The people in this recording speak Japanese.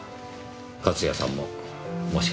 勝谷さんももしかすると。